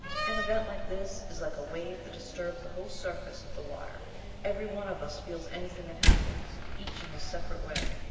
An event like this is like a wave that disturbs the whole surface of the water. Every one of us feels anything that happens, each in his separate way.